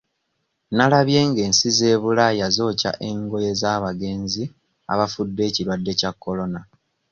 Nalabye ng'ensi z'e Bulaya zookya engoye z'abagenzi abafudde ekirwadde kya Corona.